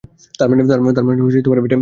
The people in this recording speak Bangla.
তার মানে, এটা কাজ করে।